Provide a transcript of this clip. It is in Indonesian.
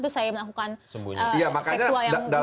saya melakukan seksual yang